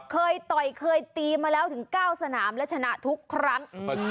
เคยต่อยเคยตีมาแล้วถึง๙สนามและชนะทุกครั้ง